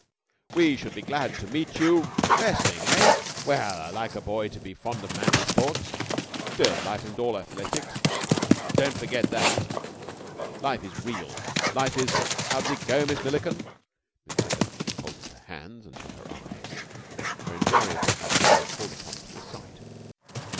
"We should be glad to meet you.... Wrestling, eh! Well, I like a boy to be fond of manly sports. Still, life isn't all athletics. Don't forget that. Life is real! Life is ... how does it go, Miss Milliken?" Miss Milliken folded her hands and shut her eyes, her invariable habit when called upon to recite.